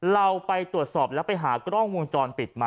เราไปตรวจสอบแล้วไปหากล้องวงจรปิดมา